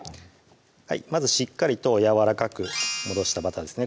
まずしっかりとやわらかく戻したバターですね